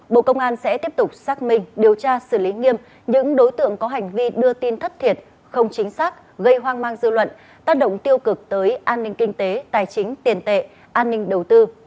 bộ công an sẽ tiếp tục xác minh điều tra xử lý nghiêm những đối tượng có hành vi đưa tin thất thiệt không chính xác gây hoang mang dư luận tác động tiêu cực tới an ninh kinh tế tài chính tiền tệ an ninh đầu tư